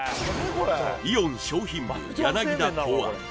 イオン商品部田考案